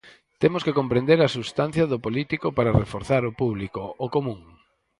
Temos que comprender a substancia do político para reforzar o público, o común.